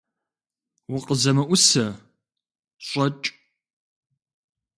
УкъызэмыӀусэ! ЩӀэкӀ!